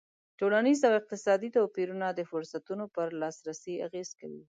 ټولنیز او اقتصادي توپیرونه د فرصتونو پر لاسرسی اغېز کوي.